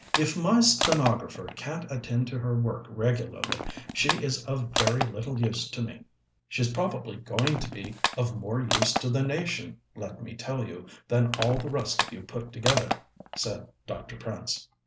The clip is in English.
"If my stenographer can't attend to her work regularly, she is of very little use to me." "She's probably going to be of more use to the nation, let me tell you, than all the rest of you put together," said Dr. Prince.